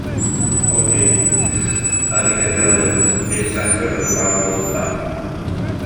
О-кэй, арыый эрдэ барыахпыт, биэс чааска бары баар буолуохтааххыт